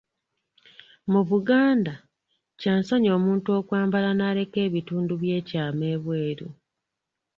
Mu Buganda, kya nsonyi omuntu okwambala n'aleka ebitundu by'ekyama ebweru.